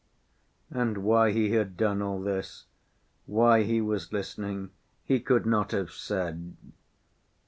And why he had done all this, why he was listening, he could not have said.